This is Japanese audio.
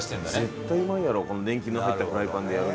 絶対うまいやろこの年季の入ったフライパンでやるのは。